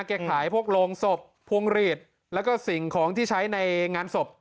แกขายพวกโรงศพพวงหลีดแล้วก็สิ่งของที่ใช้ในงานศพ